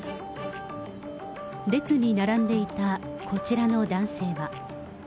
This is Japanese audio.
列に並んでいたこちらの男性は。